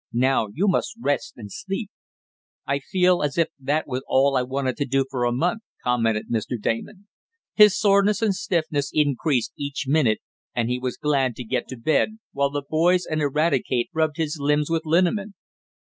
Now you must rest and sleep." "I feel as if that was all I wanted to do for a month," commented Mr. Damon. His soreness and stiffness increased each minute, and he was glad to get to bed, while the boys and Eradicate rubbed his limbs with liniment.